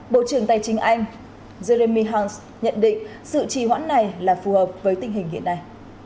bộ trưởng tài chính anh jeremy huns nhận định sự trì hoãn này là phù hợp với tình hình hiện nay